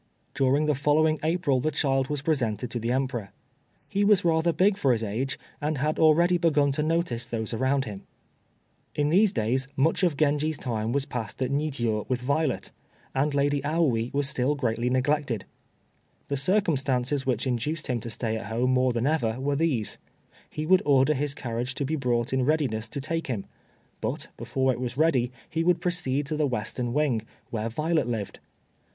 During the following April the child was presented to the Emperor. He was rather big for his age, and had already begun to notice those around him. In these days much of Genji's time was passed at Nijiô with Violet, and Lady Aoi was still greatly neglected. The circumstances which induced him to stay at home more than ever were these: He would order his carriage to be brought in readiness to take him; but, before it was ready, he would proceed to the western wing, where Violet lived.